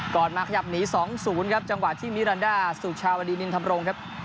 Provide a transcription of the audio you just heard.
ก่อนมาขยับหนีสองศูนย์ครับจังหวัดที่มิรันดาสุชาวดีนินทัพรงครับ